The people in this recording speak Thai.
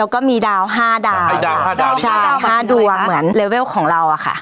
แล้วก็มีดาวห้าดาวให้ดาวห้าดาวใช่ห้าดวงเหมือนเลเวลของเราอะค่ะ